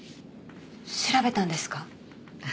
調べたんですか？